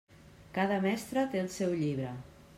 Cada mestre té el seu llibre.